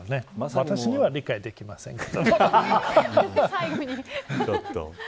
私には理解できませんが。